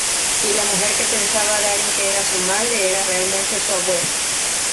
Y la mujer que pensaba Darin que era su madre era realmente su abuela.